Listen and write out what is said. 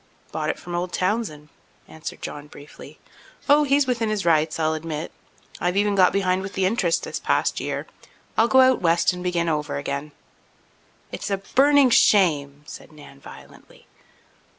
"Bought it from old Townsend," answered John briefly. "Oh, he's within his rights, I'll admit. I've even got behind with the interest this past year. I'll go out west and begin over again." "It's a burning shame!" said Nan violently.